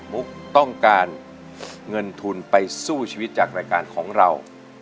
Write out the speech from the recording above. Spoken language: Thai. มุกต้องการเงินทุนไปสู้ชีวิตจากรายการของเรา